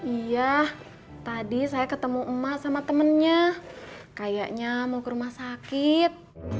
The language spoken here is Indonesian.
iya tadi saya ketemu emak sama temennya kayaknya mau ke rumah sakit